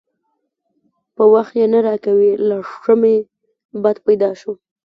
په وخت یې نه راکوي؛ له ښه مې بد پیدا شو.